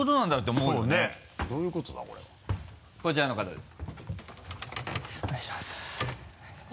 こちらの方です。